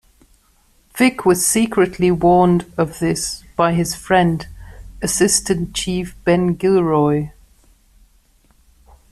Vic was secretly warned of this by his friend, Assistant Chief Ben Gilroy.